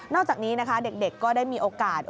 อกจากนี้นะคะเด็กก็ได้มีโอกาส